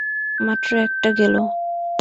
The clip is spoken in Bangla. মাত্র একটা গেল।